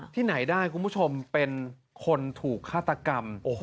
ที่ไหนได้คุณผู้ชมเป็นคนถูกฆาตกรรม